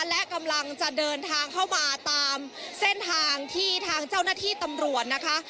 และกำลังจะเดินทางเข้ามาตามเส้นทางที่ทางเจ้าหน้าที่ตำรวจนะคะ